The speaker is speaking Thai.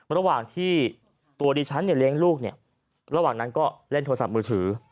ระหว่างที่ตัวดิฉันเนี่ยเลี้ยงลูกเนี่ยระหว่างนั้นก็เล่นโทรศัพท์มือถือ